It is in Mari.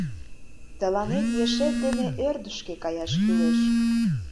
Тыланет ешет дене ӧрдыжкӧ каяш кӱлеш.